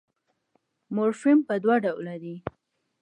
مورفیم پر دوه ډوله دئ.